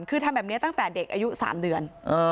คือทำแบบนี้ตั้งแต่เด็กอายุ๓เดือน